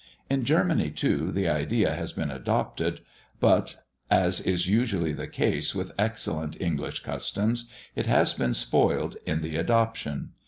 In Germany, too, the idea has been adopted, but, as is usually the case with excellent English customs, it has been spoiled in the adoption.